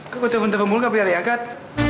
kok gojeng genggembul gak pria reangkat